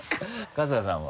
春日さんは？